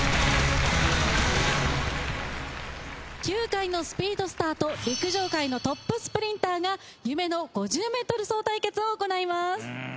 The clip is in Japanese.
球界のスピードスターと陸上界のトップスプリンターが夢の５０ｍ走対決を行います。